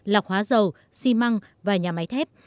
lọc hóa dầu xi măng và nhà máy thép